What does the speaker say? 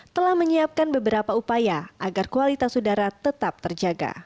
telah menyiapkan beberapa upaya agar kualitas udara tetap terjaga